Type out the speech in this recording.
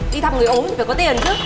đi thăm người ốm thì phải có tiền chứ